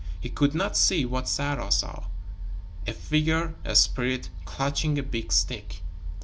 He could not see what Sarah saw a figure, a spirit, clutching a big stick.